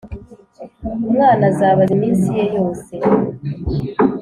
umwana azabaza iminsi ye yose,